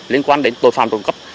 liên quan đến tội phạm trộm cắp